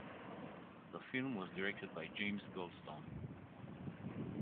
The film was directed by James Goldstone.